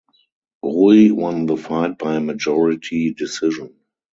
Rui won the fight by majority decision.